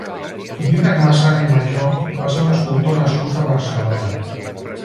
Dídac Masana i Majó va ser un escultor nascut a Barcelona.